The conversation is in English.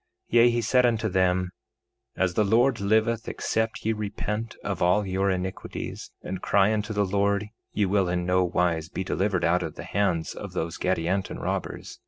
3:15 Yea, he said unto them: As the Lord liveth, except ye repent of all your iniquities, and cry unto the Lord, ye will in no wise be delivered out of the hands of those Gadianton robbers.